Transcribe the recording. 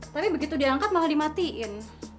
tapi begitu diangkat malah dimatiin